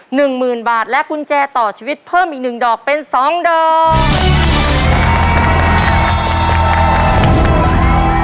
หนึ่งหมื่นบาทและกุญแจต่อชีวิตเพิ่มอีกหนึ่งดอกเป็นสองดอก